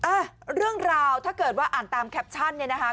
อ่ะเรื่องราวถ้าเกิดว่าอ่านตามแคปชั่นเนี่ยนะคะ